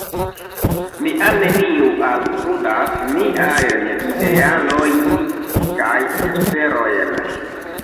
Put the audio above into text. Ni al neniu altrudas niajn idealoin kaj esperojn.